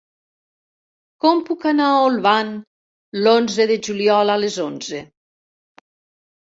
Com puc anar a Olvan l'onze de juliol a les onze?